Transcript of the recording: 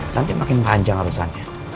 nanti makin panjang abesannya